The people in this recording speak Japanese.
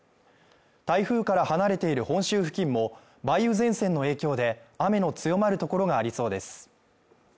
台風から離れている本州付近も梅雨前線の影響で雨の強まるところがありそうです。